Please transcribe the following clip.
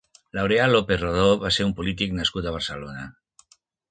Laureà López Rodó va ser un polític nascut a Barcelona.